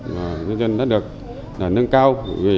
và nhân dân đã được nâng cao